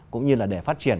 cũng như là để phát triển